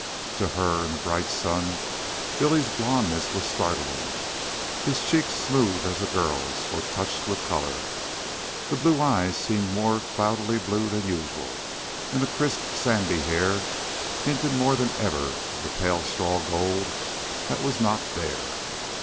To her, in the bright sun, Billy's blondness was startling. His cheeks, smooth as a girl's, were touched with color. The blue eyes seemed more cloudily blue than usual, and the crisp, sandy hair hinted more than ever of the pale straw gold that was not there.